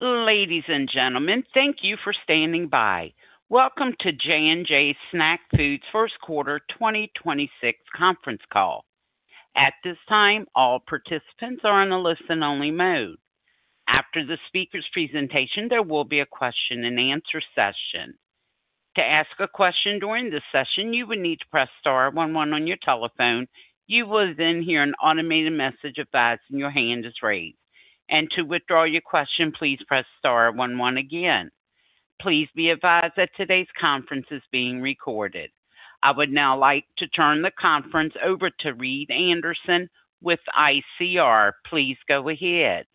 Ladies and gentlemen, thank you for standing by. Welcome to J & J Snack Foods first quarter 2026 conference call. At this time, all participants are in a listen-only mode. After the speaker's presentation, there will be a question-and-answer session. To ask a question during this session, you would need to press star 11 on your telephone. You will then hear an automated message advising your hand is raised. To withdraw your question, please press star 11 again. Please be advised that today's conference is being recorded. I would now like to turn the conference over to Reed Anderson with ICR. Please go ahead.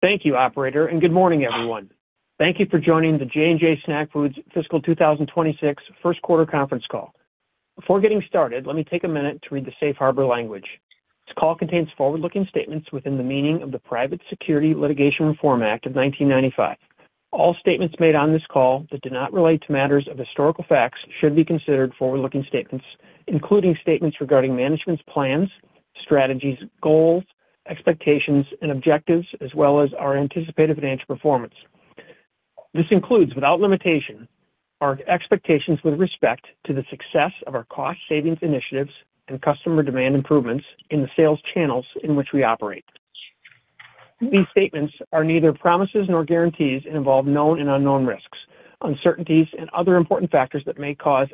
Thank you, operator, and good morning, everyone. Thank you for joining the J&J Snack Foods fiscal 2026 first quarter conference call. Before getting started, let me take a minute to read the Safe Harbor language. This call contains forward-looking statements within the meaning of the Private Securities Litigation Reform Act of 1995. All statements made on this call that do not relate to matters of historical facts should be considered forward-looking statements, including statements regarding management's plans, strategies, goals, expectations, and objectives, as well as our anticipated financial performance. This includes, without limitation, our expectations with respect to the success of our cost-savings initiatives and customer demand improvements in the sales channels in which we operate. These statements are neither promises nor guarantees and involve known and unknown risks, uncertainties, and other important factors that may cause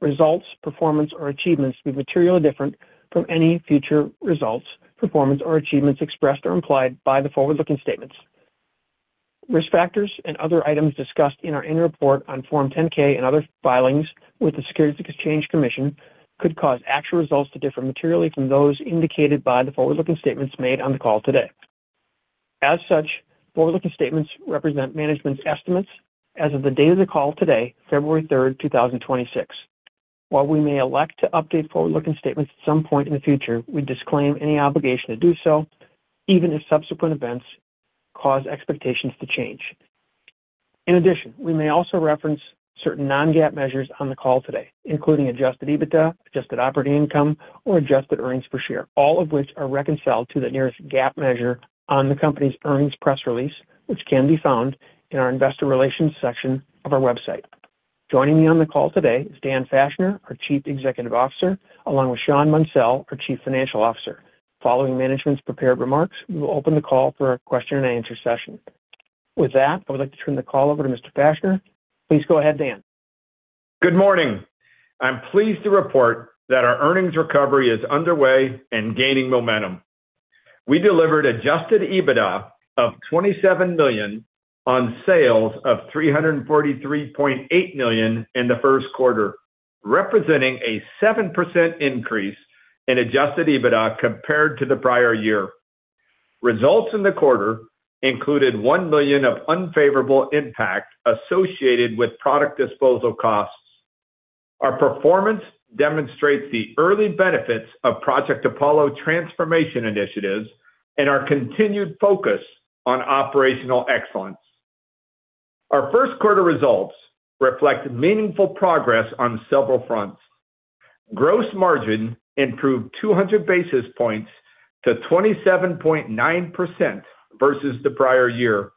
results, performance, or achievements to be materially different from any future results, performance, or achievements expressed or implied by the forward-looking statements. Risk factors and other items discussed in our annual report on Form 10-K and other filings with the Securities and Exchange Commission could cause actual results to differ materially from those indicated by the forward-looking statements made on the call today. As such, forward-looking statements represent management's estimates as of the date of the call today, February 3rd, 2026. While we may elect to update forward-looking statements at some point in the future, we disclaim any obligation to do so, even if subsequent events cause expectations to change. In addition, we may also reference certain non-GAAP measures on the call today, including adjusted EBITDA, adjusted operating income, or adjusted earnings per share, all of which are reconciled to the nearest GAAP measure on the company's earnings press release, which can be found in our investor relations section of our website. Joining me on the call today is Dan Fachner, our Chief Executive Officer, along with Shawn Munsell, our Chief Financial Officer. Following management's prepared remarks, we will open the call for a question-and-answer session. With that, I would like to turn the call over to Mr. Fachner. Please go ahead, Dan. Good morning. I'm pleased to report that our earnings recovery is underway and gaining momentum. We delivered adjusted EBITDA of $27 million on sales of $343.8 million in the first quarter, representing a 7% increase in adjusted EBITDA compared to the prior year. Results in the quarter included $1 million of unfavorable impact associated with product disposal costs. Our performance demonstrates the early benefits of Project Apollo transformation initiatives and our continued focus on operational excellence. Our first quarter results reflect meaningful progress on several fronts. Gross margin improved 200 basis points to 27.9% versus the prior year,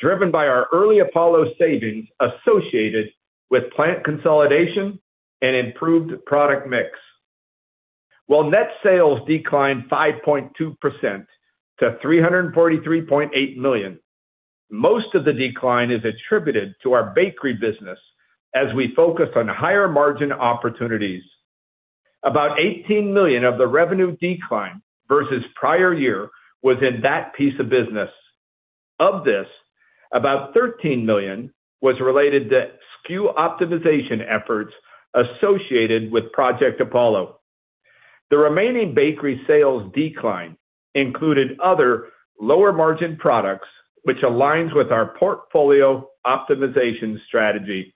driven by our early Apollo savings associated with plant consolidation and improved product mix. While net sales declined 5.2% to $343.8 million, most of the decline is attributed to our bakery business as we focused on higher margin opportunities. About $18 million of the revenue decline versus prior year was in that piece of business. Of this, about $13 million was related to SKU optimization efforts associated with Project Apollo. The remaining bakery sales decline included other lower-margin products, which aligns with our portfolio optimization strategy.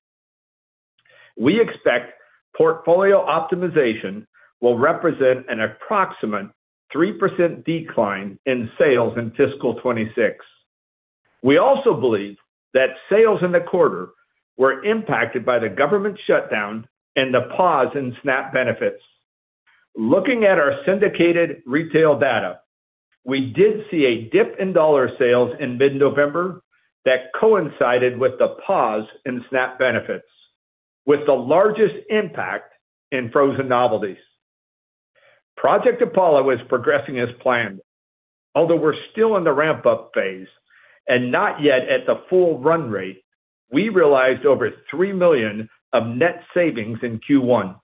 We expect portfolio optimization will represent an approximate 3% decline in sales in fiscal 2026. We also believe that sales in the quarter were impacted by the government shutdown and the pause in SNAP benefits. Looking at our syndicated retail data, we did see a dip in dollar sales in mid-November that coincided with the pause in SNAP benefits, with the largest impact in frozen novelties. Project Apollo was progressing as planned. Although we're still in the ramp-up phase and not yet at the full run rate, we realized over $3 million of net savings in Q1,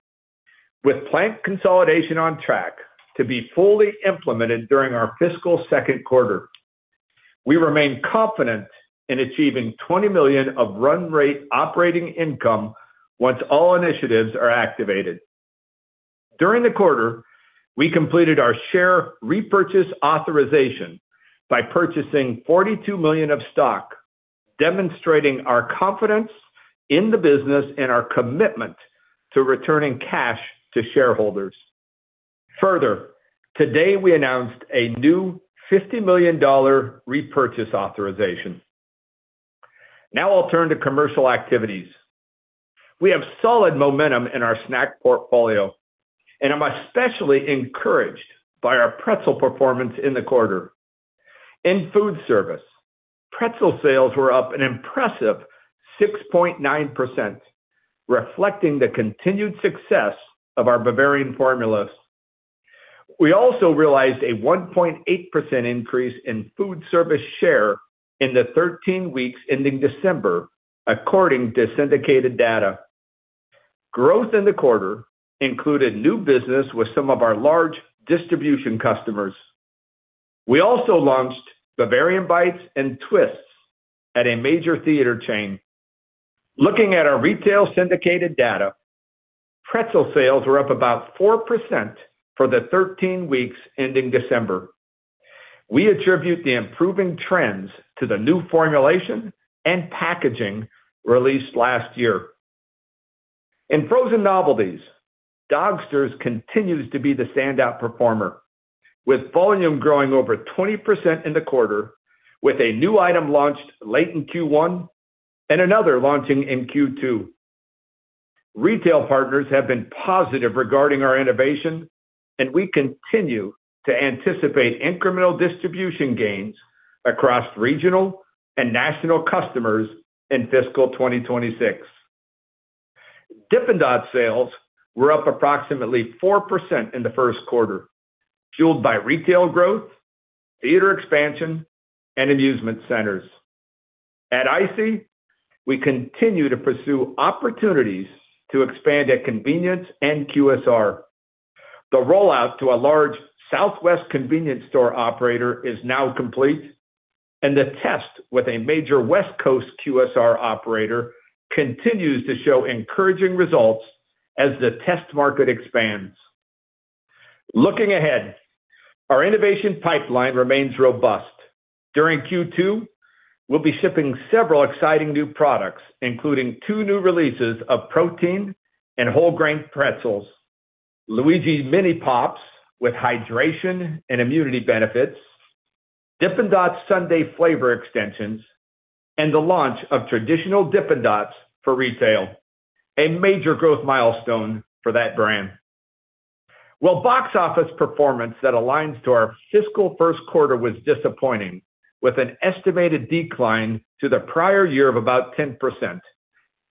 with plant consolidation on track to be fully implemented during our fiscal second quarter. We remain confident in achieving $20 million of run-rate operating income once all initiatives are activated. During the quarter, we completed our share repurchase authorization by purchasing $42 million of stock, demonstrating our confidence in the business and our commitment to returning cash to shareholders. Further, today we announced a new $50 million repurchase authorization. Now I'll turn to commercial activities. We have solid momentum in our SNAP portfolio, and I'm especially encouraged by our pretzel performance in the quarter. In food service, pretzel sales were up an impressive 6.9%, reflecting the continued success of our Bavarian formulas. We also realized a 1.8% increase in food service share in the 13 weeks ending December, according to syndicated data. Growth in the quarter included new business with some of our large distribution customers. We also launched Bavarian Bites and Twists at a major theater chain. Looking at our retail syndicated data, pretzel sales were up about 4% for the 13 weeks ending December. We attribute the improving trends to the new formulation and packaging released last year. In frozen novelties, Dogsters continues to be the standout performer, with volume growing over 20% in the quarter, with a new item launched late in Q1 and another launching in Q2. Retail partners have been positive regarding our innovation, and we continue to anticipate incremental distribution gains across regional and national customers in fiscal 2026. Dippin' Dots sales were up approximately 4% in the first quarter, fueled by retail growth, theater expansion, and amusement centers. At IC, we continue to pursue opportunities to expand at convenience and QSR. The rollout to a large Southwest convenience store operator is now complete, and the test with a major West Coast QSR operator continues to show encouraging results as the test market expands. Looking ahead, our innovation pipeline remains robust. During Q2, we'll be shipping several exciting new products, including two new releases of protein and whole grain pretzels, Luigi's Mini Pops with hydration and immunity benefits, Dippin' Dots Sunday flavor extensions, and the launch of traditional Dippin' Dots for retail, a major growth milestone for that brand. While box office performance that aligns to our fiscal first quarter was disappointing, with an estimated decline to the prior year of about 10%,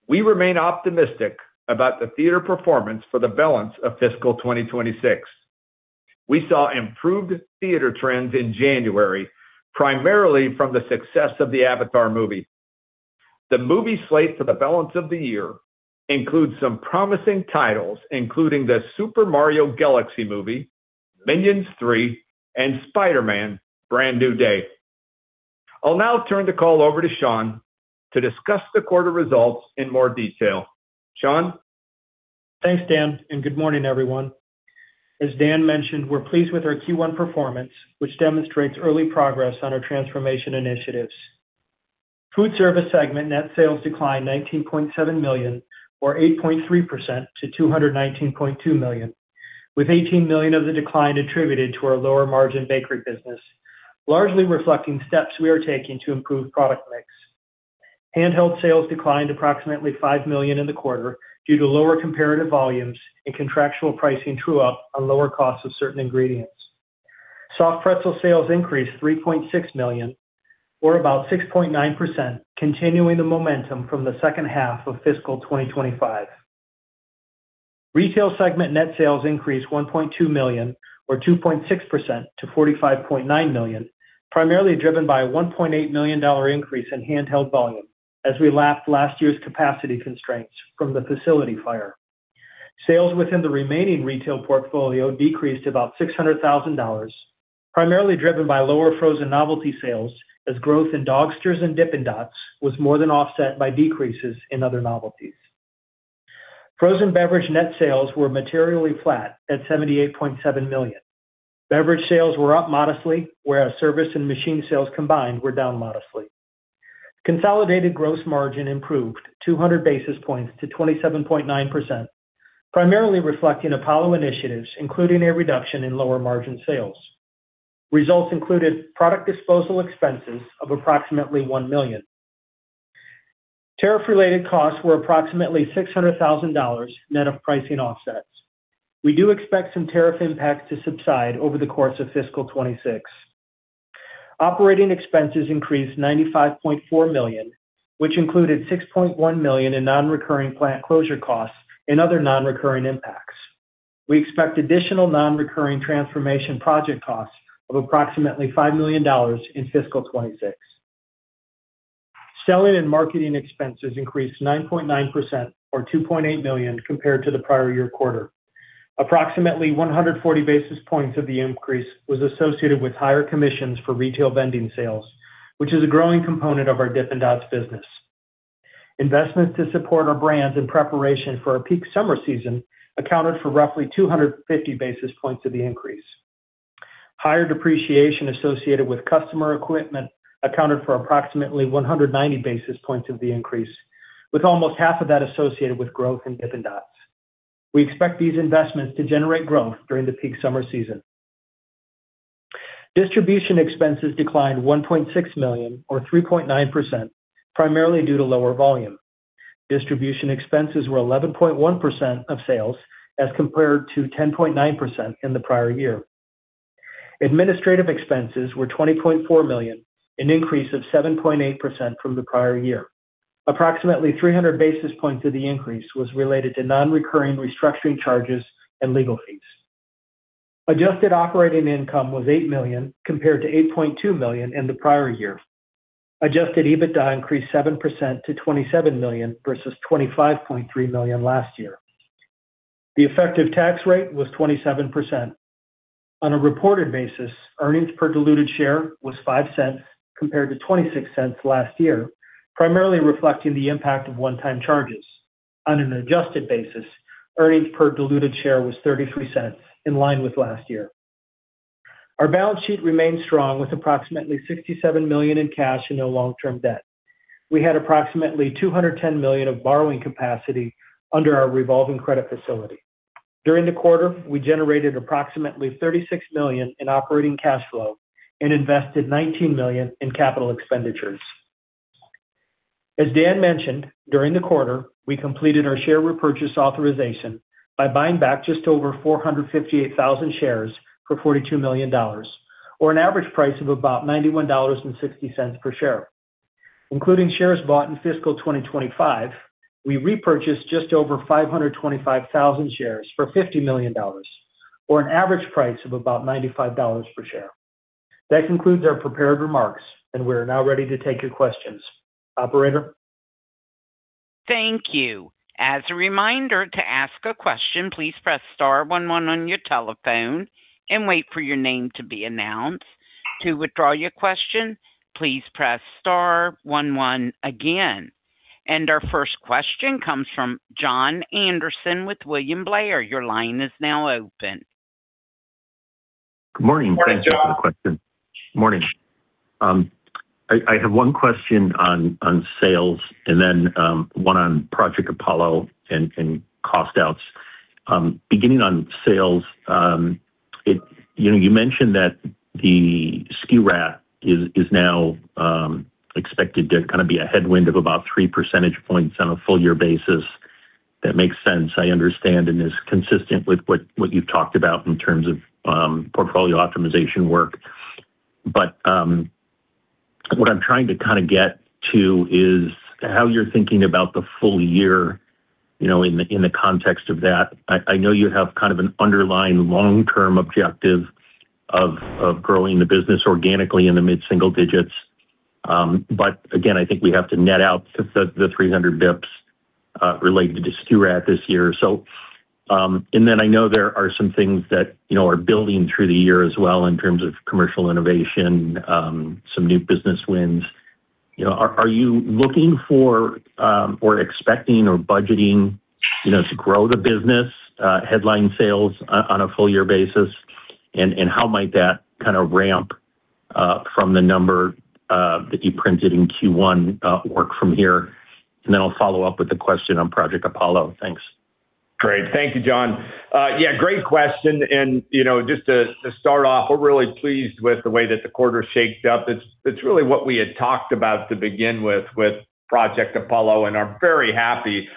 we remain optimistic about the theater performance for the balance of fiscal 2026. We saw improved theater trends in January, primarily from the success of the Avatar movie. The movie slate for the balance of the year includes some promising titles, including the Super Mario Galaxy movie, Minions 3, and Spider-Man: Brand New Day. I'll now turn the call over to Shawn to discuss the quarter results in more detail. Shawn? Thanks, Dan, and good morning, everyone. As Dan mentioned, we're pleased with our Q1 performance, which demonstrates early progress on our transformation initiatives. Food service segment net sales declined $19.7 million, or 8.3%, to $219.2 million, with $18 million of the decline attributed to our lower-margin bakery business, largely reflecting steps we are taking to improve product mix. Handheld sales declined approximately $5 million in the quarter due to lower comparative volumes and contractual pricing true up on lower costs of certain ingredients. Soft pretzel sales increased $3.6 million, or about 6.9%, continuing the momentum from the second half of fiscal 2025. Retail segment net sales increased $1.2 million, or 2.6%, to $45.9 million, primarily driven by a $1.8 million increase in handheld volume as we lapped last year's capacity constraints from the facility fire. Sales within the remaining retail portfolio decreased about $600,000, primarily driven by lower frozen novelty sales as growth in Dogsters and Dippin' Dots was more than offset by decreases in other novelties. Frozen beverage net sales were materially flat at $78.7 million. Beverage sales were up modestly, whereas service and machine sales combined were down modestly. Consolidated gross margin improved 200 basis points to 27.9%, primarily reflecting Apollo initiatives, including a reduction in lower-margin sales. Results included product disposal expenses of approximately $1 million. Tariff-related costs were approximately $600,000 net of pricing offsets. We do expect some tariff impact to subside over the course of fiscal 2026. Operating expenses increased $95.4 million, which included $6.1 million in non-recurring plant closure costs and other non-recurring impacts. We expect additional non-recurring transformation project costs of approximately $5 million in fiscal 2026. Selling and marketing expenses increased 9.9%, or $2.8 million, compared to the prior year quarter. Approximately 140 basis points of the increase was associated with higher commissions for retail vending sales, which is a growing component of our Dippin' Dots business. Investments to support our brands in preparation for our peak summer season accounted for roughly 250 basis points of the increase. Higher depreciation associated with customer equipment accounted for approximately 190 basis points of the increase, with almost half of that associated with growth in Dippin' Dots. We expect these investments to generate growth during the peak summer season. Distribution expenses declined $1.6 million, or 3.9%, primarily due to lower volume. Distribution expenses were 11.1% of sales as compared to 10.9% in the prior year. Administrative expenses were $20.4 million, an increase of 7.8% from the prior year. Approximately 300 basis points of the increase was related to non-recurring restructuring charges and legal fees. Adjusted Operating Income was $8 million compared to $8.2 million in the prior year. Adjusted EBITDA increased 7% to $27 million versus $25.3 million last year. The effective tax rate was 27%. On a reported basis, earnings per diluted share was $0.05 compared to $0.26 last year, primarily reflecting the impact of one-time charges. On an adjusted basis, earnings per diluted share was $0.33, in line with last year. Our balance sheet remained strong, with approximately $67 million in cash and no long-term debt. We had approximately $210 million of borrowing capacity under our revolving credit facility. During the quarter, we generated approximately $36 million in operating cash flow and invested $19 million in capital expenditures. As Dan mentioned, during the quarter, we completed our share repurchase authorization by buying back just over 458,000 shares for $42 million, or an average price of about $91.60 per share. Including shares bought in fiscal 2025, we repurchased just over 525,000 shares for $50 million, or an average price of about $95 per share. That concludes our prepared remarks, and we're now ready to take your questions. Operator? Thank you. As a reminder, to ask a question, please press star 11 on your telephone and wait for your name to be announced. To withdraw your question, please press star 11 again. And our first question comes from Jon Andersen with William Blair. Your line is now open. Good morning. Thanks for the question. Morning. I have one question on sales and then one on Project Apollo and cost outs. Beginning on sales, you mentioned that the SKU RAT is now expected to kind of be a headwind of about 3 percentage points on a full-year basis. That makes sense, I understand, and is consistent with what you've talked about in terms of portfolio optimization work. But what I'm trying to kind of get to is how you're thinking about the full year in the context of that. I know you have kind of an underlying long-term objective of growing the business organically in the mid-single digits. But again, I think we have to net out the 300 basis points related to SKU RAT this year. And then I know there are some things that are building through the year as well in terms of commercial innovation, some new business wins. Are you looking for or expecting or budgeting to grow the business headline sales on a full-year basis? And how might that kind of ramp from the number that you printed in Q1 work from here? And then I'll follow up with the question on Project Apollo. Thanks. Great. Thank you, John. Yeah, great question. And just to start off, we're really pleased with the way that the quarter shaped up. It's really what we had talked about to begin with with Project Apollo, and I'm very happy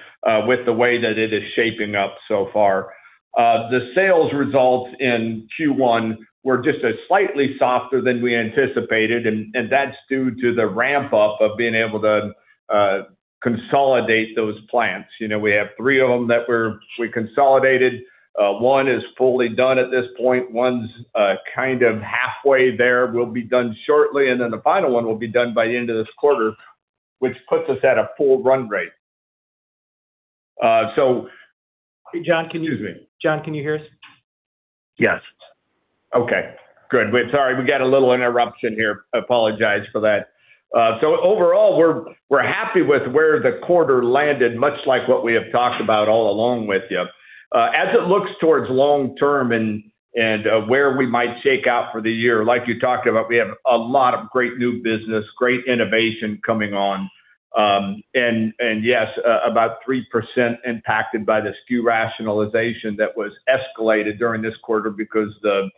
with the way that it is shaping up so far. The sales results in Q1 were just slightly softer than we anticipated, and that's due to the ramp-up of being able to consolidate those plants. We have three of them that we consolidated. One is fully done at this point. One's kind of halfway there. We'll be done shortly, and then the final one will be done by the end of this quarter, which puts us at a full run rate. So. Hey, Jon. Can you. Excuse me. John, can you hear us? Yes. Okay. Good. Sorry, we got a little interruption here. Apologize for that. So overall, we're happy with where the quarter landed, much like what we have talked about all along with you. As it looks towards long-term and where we might shake out for the year, like you talked about, we have a lot of great new business, great innovation coming on. And yes, about 3% impacted by the SKU Rationalization that was escalated during this quarter because the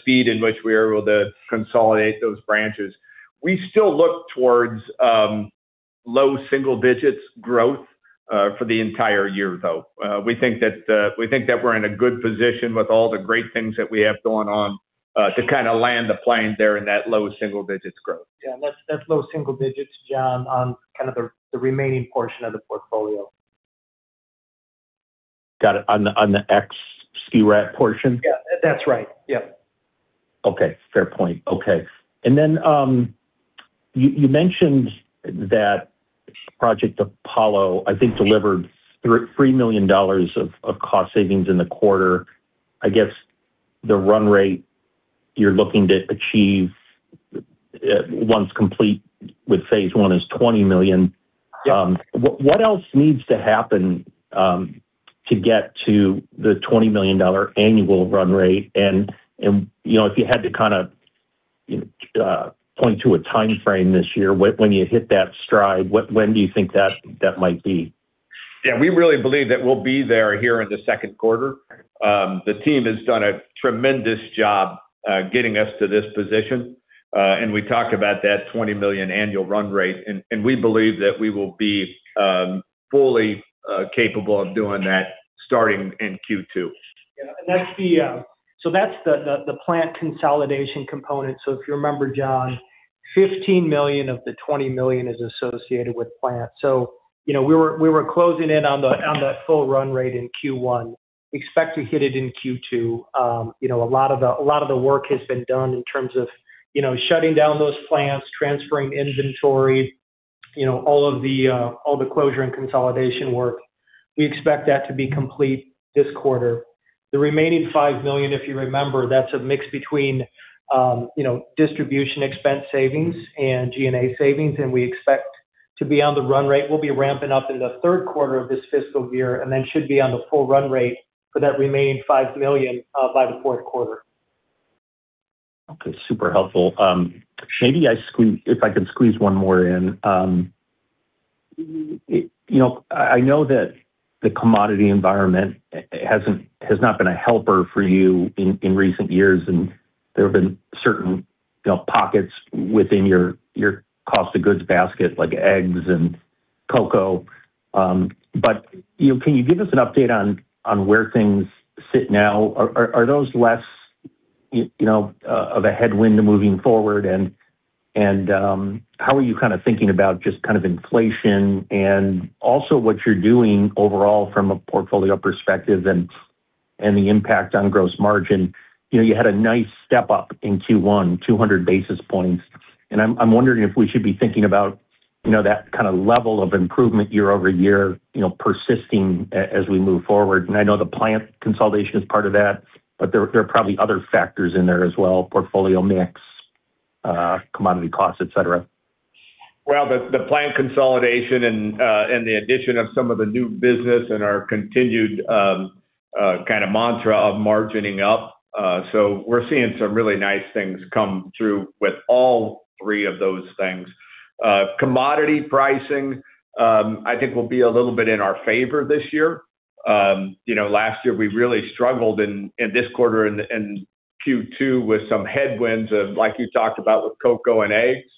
speed in which we were able to consolidate those branches. We still look towards low single-digits growth for the entire year, though. We think that we're in a good position with all the great things that we have going on to kind of land the plane there in that low single-digits growth. Yeah. That's low single-digits, John, on kind of the remaining portion of the portfolio. Got it. On the X SKU RAT portion? Yeah. That's right. Yep. Okay. Fair point. Okay. And then you mentioned that Project Apollo, I think, delivered $3 million of cost savings in the quarter. I guess the run rate you're looking to achieve once complete with phase one is $20 million. What else needs to happen to get to the $20 million annual run rate? And if you had to kind of point to a time frame this year, when you hit that stride, when do you think that might be? Yeah. We really believe that we'll be there here in the second quarter. The team has done a tremendous job getting us to this position, and we talked about that $20 million annual run rate. And we believe that we will be fully capable of doing that starting in Q2. Yeah. And so that's the plant consolidation component. So if you remember, Jon, $15 million of the $20 million is associated with plants. So we were closing in on that full run rate in Q1. Expect to hit it in Q2. A lot of the work has been done in terms of shutting down those plants, transferring inventory, all of the closure and consolidation work. We expect that to be complete this quarter. The remaining $5 million, if you remember, that's a mix between distribution expense savings and G&A savings, and we expect to be on the run rate. We'll be ramping up in the third quarter of this fiscal year and then should be on the full run rate for that remaining $5 million by the fourth quarter. Okay. Super helpful. Shawn, if I can squeeze one more in. I know that the commodity environment has not been a helper for you in recent years, and there have been certain pockets within your cost-of-goods basket, like eggs and cocoa. But can you give us an update on where things sit now? Are those less of a headwind moving forward? And how are you kind of thinking about just kind of inflation and also what you're doing overall from a portfolio perspective and the impact on gross margin? You had a nice step-up in Q1, 200 basis points. And I'm wondering if we should be thinking about that kind of level of improvement year over year persisting as we move forward. And I know the plant consolidation is part of that, but there are probably other factors in there as well, portfolio mix, commodity costs, etc. Well, the plant consolidation and the addition of some of the new business and our continued kind of mantra of margining up. So we're seeing some really nice things come through with all three of those things. Commodity pricing, I think, will be a little bit in our favor this year. Last year, we really struggled in this quarter and Q2 with some headwinds of, like you talked about, with cocoa and eggs.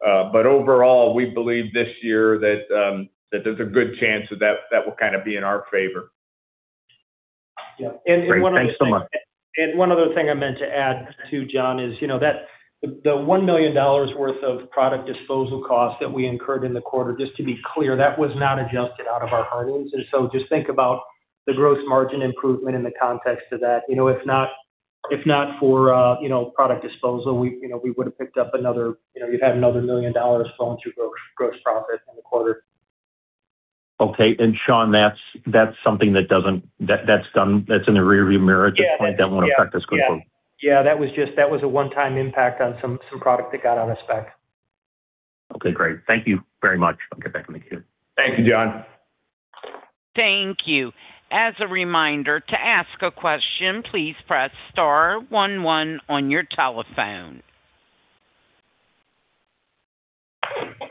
But overall, we believe this year that there's a good chance that that will kind of be in our favor. Yeah. And one of the. Great. Thanks so much. One other thing I meant to add too, John, is that the $1 million worth of product disposal costs that we incurred in the quarter, just to be clear, that was not adjusted out of our earnings. So just think about the gross margin improvement in the context of that. If not for product disposal, we would have picked up another you'd have another $1 million flowing through gross profit in the quarter. Okay. And, Shawn, that's something that's in the rearview mirror at this point that won't affect us going forward. Yeah. Yeah. That was a one-time impact on some product that got out of spec. Okay. Great. Thank you very much. I'll get back on the queue. Thank you, John. Thank you. As a reminder, to ask a question, please press star 11 on your telephone. I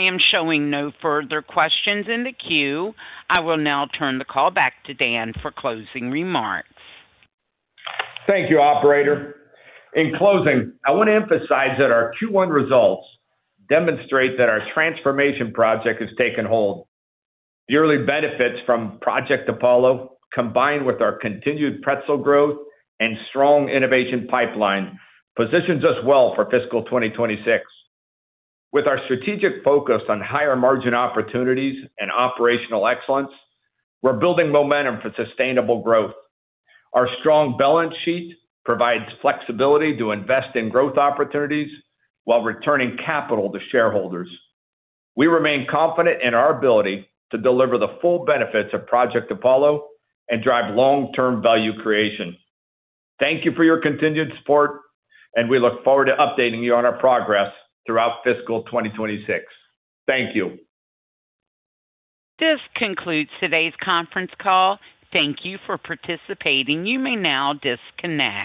am showing no further questions in the queue. I will now turn the call back to Dan for closing remarks. Thank you, operator. In closing, I want to emphasize that our Q1 results demonstrate that our transformation project has taken hold. The early benefits from Project Apollo, combined with our continued pretzel growth and strong innovation pipeline, position us well for fiscal 2026. With our strategic focus on higher margin opportunities and operational excellence, we're building momentum for sustainable growth. Our strong balance sheet provides flexibility to invest in growth opportunities while returning capital to shareholders. We remain confident in our ability to deliver the full benefits of Project Apollo and drive long-term value creation. Thank you for your continued support, and we look forward to updating you on our progress throughout fiscal 2026. Thank you. This concludes today's conference call. Thank you for participating. You may now disconnect.